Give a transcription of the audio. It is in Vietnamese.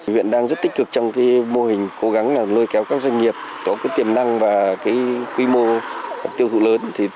huyện đang rất tích cực trong mô hình cố gắng nuôi kéo các doanh nghiệp có tiềm năng và quy mô tiêu thụ lớn